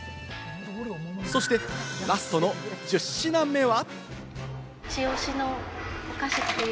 そして、ラストの１０品目は。